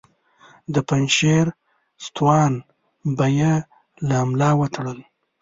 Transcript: د پنجشیر ستوان به یې له ملا وتړل.